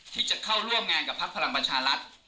ที่จะเข้าร่วมงานกับพักพลังประชารัฐ